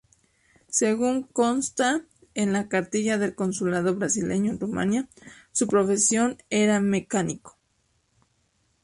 Según consta en la cartilla del Consulado brasileño en Rumania, su profesión era mecánico.